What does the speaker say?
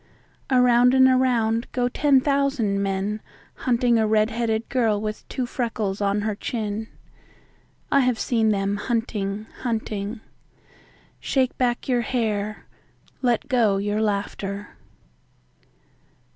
Around and around go ten thousand men hunting a red headed girl with two freckles on her chin.I have seen them hunting, hunting. Shake back your hair; let go your laughter.